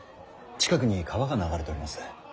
近くに川が流れております。